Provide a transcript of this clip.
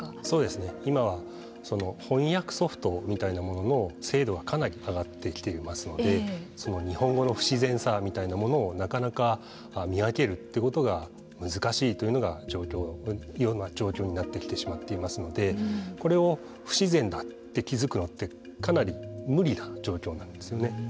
そうですね、今は翻訳ソフトみたいなものの精度がかなり上がってきていますので日本語の不自然さみたいなものをなかなか見分けるということが難しいというような状況になってきていますのでこれを不自然だって気付くのってかなり無理な状況なんですよね。